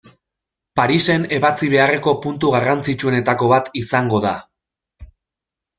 Parisen ebatzi beharreko puntu garrantzitsuenetako bat izango da.